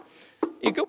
いくよ。